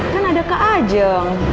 kan ada kak ajeng